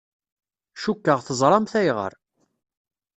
Cukkeɣ teẓramt ayɣer.